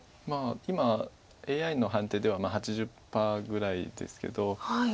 まあ今ＡＩの判定では８０％ぐらいですけど。